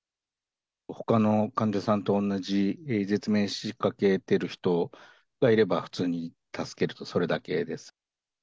ほかの患者さんとおんなじ、絶命しかけてる人がいれば、普通に助けると、それだけです。